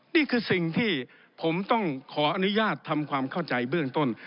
นี่คือสิ่งที่ผมต้องขออนุญาตทำความเข้าใจเบื้องต้น